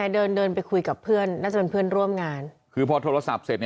เดินเดินไปคุยกับเพื่อนน่าจะเป็นเพื่อนร่วมงานคือพอโทรศัพท์เสร็จ